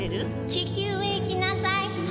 「地球へ行きなさい」